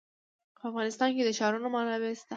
په افغانستان کې د ښارونه منابع شته.